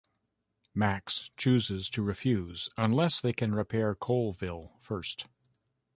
Max chooses to refuse unless they can repair Coalville first.